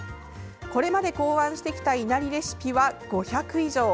これまで考案してきたいなりレシピは５００以上。